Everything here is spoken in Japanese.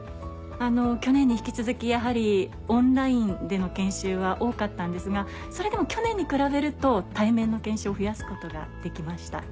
去年に引き続きやはりオンラインでの研修は多かったんですがそれでも去年に比べると対面の研修を増やすことができました。